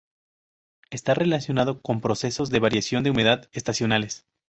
Está relacionado con procesos de variación de humedad estacionales.